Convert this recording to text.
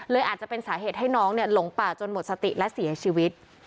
อาจจะเป็นสาเหตุให้น้องหลงป่าจนหมดสติและเสียชีวิต